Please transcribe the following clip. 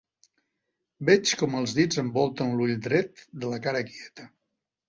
Veig com els dits envolten l'ull dret de la cara quieta.